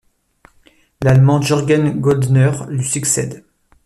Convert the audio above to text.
L'Allemand Jurgen Goeldner lui succède.